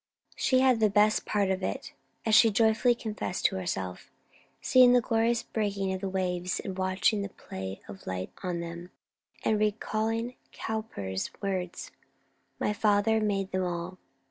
She had the best of it; as she joyfully confessed to herself, seeing the glorious breaking waves and watching the play of light on them, and recalling Cowper's words "My Father made them all!"